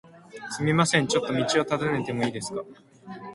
すみません、ちょっと道を尋ねてもいいですか？